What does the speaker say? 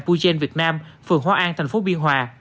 puyen việt nam phường hóa an tp biên hòa